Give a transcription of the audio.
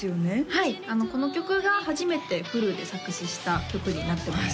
はいこの曲が初めてフルで作詞した曲になってます